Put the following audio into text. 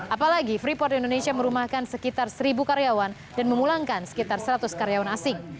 apalagi freeport indonesia merumahkan sekitar seribu karyawan dan memulangkan sekitar seratus karyawan asing